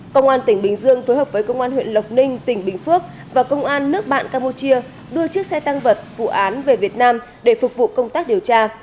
công an tỉnh bình dương phối hợp với công an huyện lộc ninh tỉnh bình phước và công an nước bạn campuchia đưa chiếc xe tăng vật vụ án về việt nam để phục vụ công tác điều tra